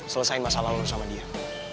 selesain masalah lo sama dia